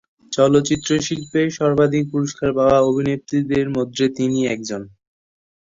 চলচ্চিত্র শিল্পে সর্বাধিক পুরস্কার পাওয়া অভিনেত্রীর মধ্যে তিনি একজন।